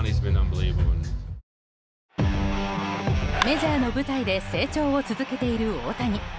メジャーの舞台で成長を続けている大谷。